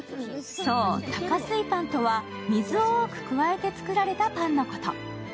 そう、多加水パンとは水を多く加えて作られたパンのこと。